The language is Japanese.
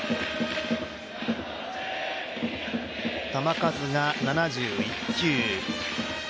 球数が７１球。